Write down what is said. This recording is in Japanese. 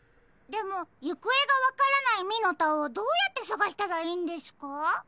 でもゆくえがわからないミノタをどうやってさがしたらいいんですか？